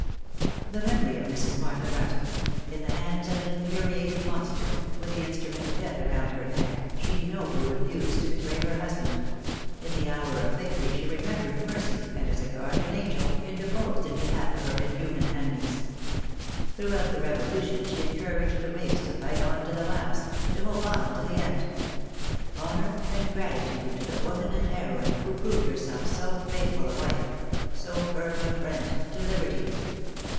|The memory of Mrs. Martha Bratton. In the hands of an infuriated monster, with the instrument of death around her neck, she nobly refused to betray her husband; in the hour of victory she remembered mercy, and as a guardian angel, interposed in behalf of her inhuman enemies. Throughout the Revolution she encouraged the whigs to fight on to the last; to hope on to the end. Honor and gratitude to the woman and heroine, who proved herself so faithful a wife so firm a friend to liberty!"